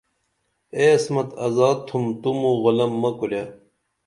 ائی عصمت آزاد تُھم تو موں غلام مہ کُرے